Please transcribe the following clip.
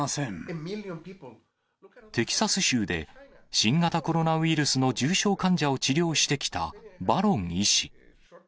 テキサス州で、新型コロナウイルスの重症患者を治療してきたバロン医師。